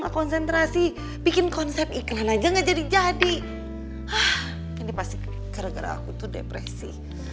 konsentrasi bikin konsep iklan aja nggak jadi jadi ini pasti gara gara aku tuh depresi